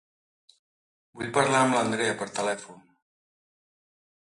Vull parlar amb l'Andrea per telèfon.